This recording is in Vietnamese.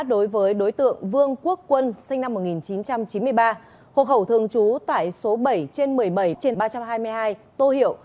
đối với đối tượng vương quốc quân sinh năm một nghìn chín trăm chín mươi ba hộ khẩu thường trú tại số bảy trên một mươi bảy trên ba trăm hai mươi hai tô hiệu